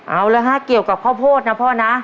เอาละฮะเกี่ยวกับข้าวโพดนะพ่อนะ